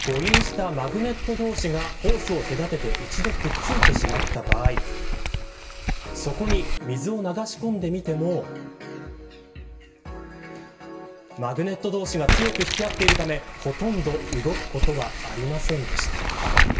こちらは透明のホースを腸に見立てたものなんですが誤飲したマグネット同士がホースを隔てて一度くっついてしまった場合そこに水を流し込んでみてもマグネット同士が強く引き合っているためほとんど動くことはありませんでした。